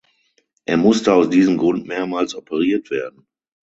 Er musste aus diesem Grund mehrmals operiert werden.